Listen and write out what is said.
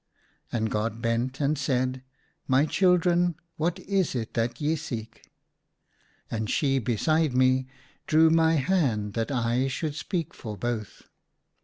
And God bent, and said, " My chil dren — what is it that ye seek?" And she beside me drew my hand that I should speak for both.